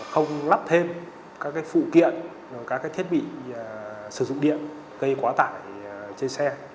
không lắp thêm các phụ kiện các thiết bị sử dụng điện gây quá tải trên xe